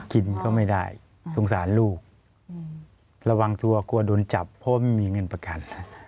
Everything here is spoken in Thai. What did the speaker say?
กินก็ไม่ได้สงสารลูกระวังตัวกลัวโดนจับเพราะไม่มีเงินประกัน